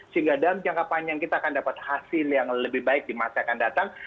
sehingga dalam jangka panjang kita akan dapat hasil yang lebih baik di masa yang akan datang